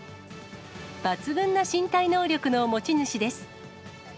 抜群な身体能力の持ち主です。